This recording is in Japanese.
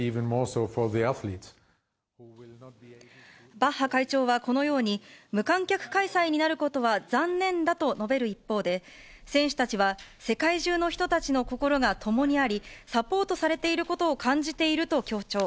バッハ会長はこのように、無観客開催になることは残念だと述べる一方で、選手たちは世界中の人たちの心が共にあり、サポートされていることを感じていると強調。